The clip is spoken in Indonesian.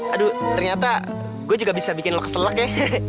aduh ternyata gue juga bisa bikin lo keselok ya